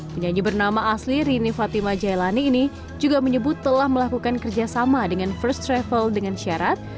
penyanyi bernama asli rini fatima jailani ini juga menyebut telah melakukan kerjasama dengan first travel dengan syarat